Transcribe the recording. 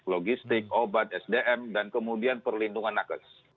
logistik obat sdm dan kemudian perlindungan nakes